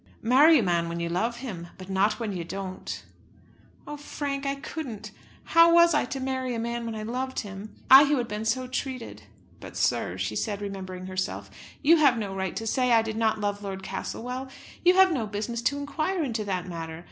"Marry a man when you love him, but not when you don't." "Oh, Frank! I couldn't. How was I to marry a man when I loved him, I who had been so treated? But, sir," she said, remembering herself, "you have no right to say I did not love Lord Castlewell. You have no business to inquire into that matter.